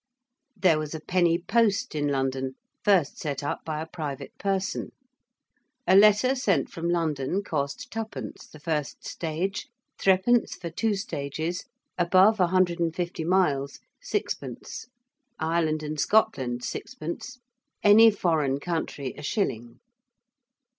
There was a penny post in London, first set up by a private person. A letter sent from London cost twopence the first stage: threepence for two stages: above 150 miles, sixpence: Ireland and Scotland, sixpence: any foreign country a shilling.